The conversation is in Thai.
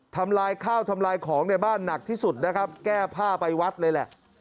ทำลายข้าวทำลายของในบ้านหนักที่สุดนะครับแก้ผ้าไปวัดเลยแหละ